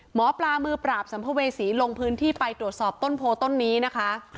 หมอปลามือปราบสัมภเวษีลงพื้นที่ไปตรวจสอบต้นโพต้นนี้นะคะ